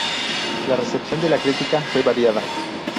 La recepción de la crítica fue variada.